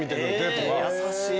え優しい。